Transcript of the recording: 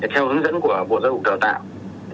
theo hướng dẫn của bộ giáo hữu đào tạo